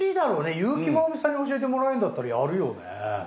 優木まおみさんに教えてもらえるんだったらやるよね。